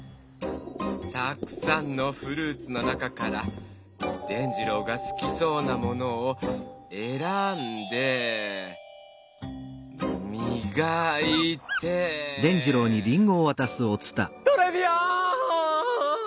たくさんのフルーツの中から伝じろうがすきそうなものを選んでみがいてトレビアーン！